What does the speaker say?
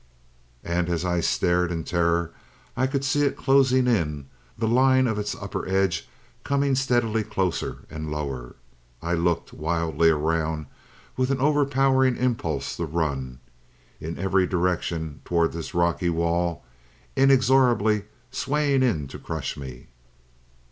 "And as I stared in terror, I could see it closing in, the line of its upper edge coming steadily closer and lower. I looked wildly around with an overpowering impulse to run. In every direction towered this rocky wall, inexorably swaying in to crush me.